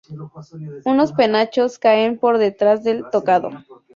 Unos penachos caen por detrás del tocado.